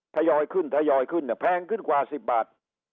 ทยอยขึ้นทยอยขึ้นแพงขึ้นกว่า๑๐บาท